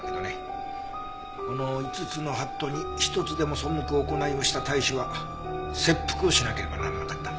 この５つの法度に１つでも背く行いをした隊士は切腹をしなければならなかったんだ。